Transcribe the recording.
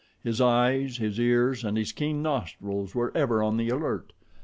His eyes, his ears and his keen nostrils were ever on the alert.